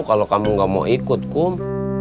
kalau kamu gak mau ikut kum